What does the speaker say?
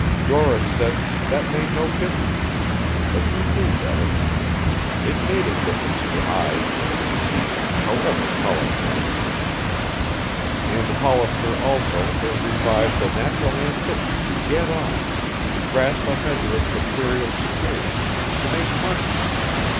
Doris said that made no difference, but he knew better. It made a difference to eyes that could see, however tolerantly. In Hollister, also, there revived the natural ambition to get on, to grasp a measure of material security, to make money.